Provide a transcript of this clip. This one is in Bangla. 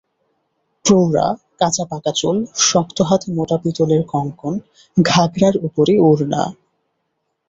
প্রৌঢ়া, কাঁচা-পাকা চুল, শক্ত হাতে মোটা পিতলের কঙ্কণ, ঘাঘরার উপরে ওড়না।